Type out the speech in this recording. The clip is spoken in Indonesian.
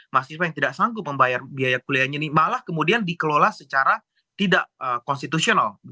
mahasiswa yang tidak sanggup membayar biaya kuliahnya ini malah kemudian dikelola secara tidak konstitusional